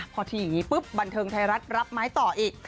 พอทีอย่างนี้ปุ๊บบันเทิงไทยรัฐรับไม้ต่ออีก